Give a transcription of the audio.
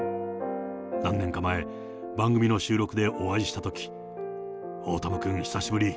何年か前、番組の収録でお会いしたとき、大友君、久しぶり！